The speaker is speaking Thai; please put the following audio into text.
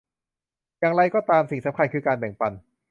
อย่างไรก็ตาม สิ่งสำคัญคือการแบ่งปัน